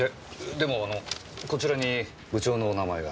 でもこちらに部長のお名前が。